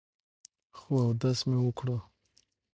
خو اودس مې وکړو ـ